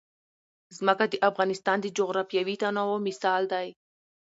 ځمکه د افغانستان د جغرافیوي تنوع مثال دی.